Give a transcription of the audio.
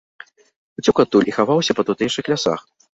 Уцёк адтуль і хаваўся па тутэйшых лясах.